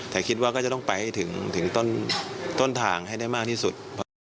แต่คิดว่าก็จะต้องไปให้ถึงต้นทางให้ได้มากที่สุด